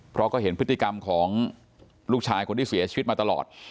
เพราะก็เห็นพฤติกรรมของลูกชายคนที่เสียชีวิตมาตลอด